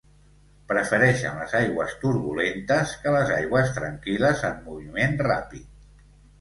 Prefereixen les aigües turbulentes que les aigües tranquil·les en moviment ràpid.